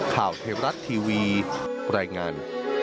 ข่าวเทวรัฐทีวีรายงาน